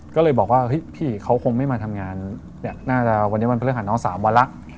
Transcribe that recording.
ก็เลยบอกว่าเฮ้ยพี่เขาคงไม่มาทำงานน่าจะวันนี้วันพฤหัสน้อง๓วันแล้ว